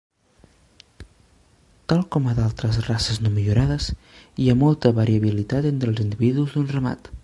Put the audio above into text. Tal com a d'altres races no millorades, hi ha molta variabilitat entre els individus d'un ramat.